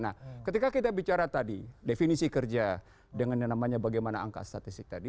nah ketika kita bicara tadi definisi kerja dengan yang namanya bagaimana angka statistik tadi